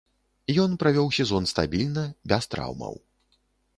Ён правёў сезон стабільна, без траўмаў.